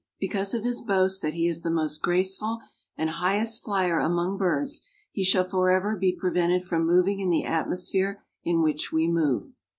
Because of his boast that he is the most graceful and highest flyer among birds, he shall forever be prevented from moving in the atmosphere in which we move."